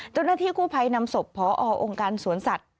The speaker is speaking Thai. ตรงนั้นที่คู่ภัยนำศพพอองค์การสวนสัตว์